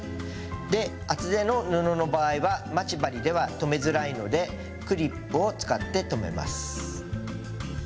で厚手の布の場合は待ち針では留めづらいのでクリップを使って留めます。